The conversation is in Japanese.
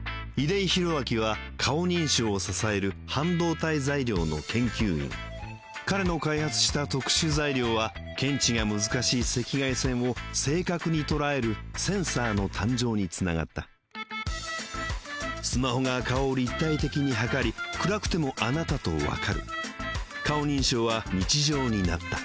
出井宏明は顔認証を支える半導体材料の研究員彼の開発した特殊材料は検知が難しい赤外線を正確に捉えるセンサーの誕生につながったスマホが顔を立体的に測り暗くてもあなたとわかる顔認証は日常になった